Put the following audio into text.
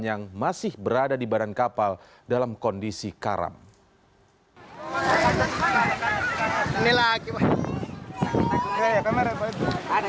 yang masih berada di badan kapal dalam kondisi karam hai